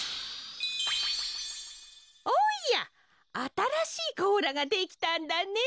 おやあたらしいこうらができたんだねえ。